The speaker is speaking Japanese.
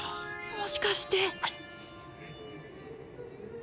もしかして。